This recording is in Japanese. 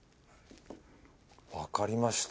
わかりました。